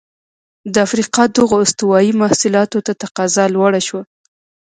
د افریقا دغو استوايي محصولاتو ته تقاضا لوړه شوه.